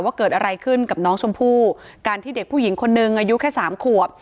ว่าเกิดอะไรขึ้นกับน้องชมพู่การที่เด็กผู้หญิงคนนึงอายุแค่สามขวบ